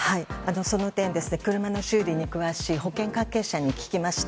その点、車の修理に詳しい保険関係者に聞きました。